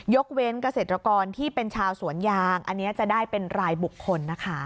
กเว้นเกษตรกรที่เป็นชาวสวนยางอันนี้จะได้เป็นรายบุคคลนะคะ